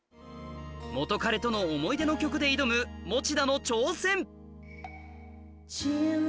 元カレとの思い出の曲で挑む餅田の挑戦